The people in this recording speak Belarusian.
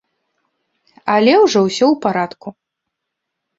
Але ўжо ўсё ў парадку.